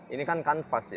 ini kan kanvas ya